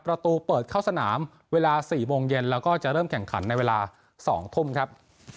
ประตูเปิดเข้าสนามเวลา๔โมงเย็นแล้วก็จะเริ่มแข่งขันในเวลา๒ทุ่มครับ